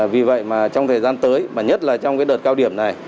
vì vậy mà trong thời gian tới mà nhất là trong cái đợt cao điểm này